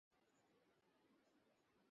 Theatre থেকে এনেছেন reel আমার জন্য।